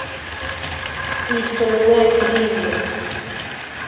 Isto non é crible.